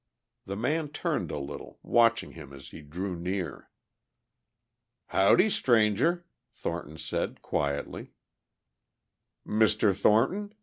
The man turned a little, watching him as he drew near. "Howdy, Stranger," Thornton said quietly. "Mr. Thornton?"